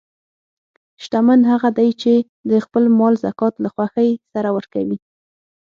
شتمن هغه دی چې د خپل مال زکات له خوښۍ سره ورکوي.